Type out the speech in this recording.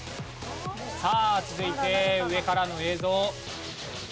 さあ続いて上からの映像。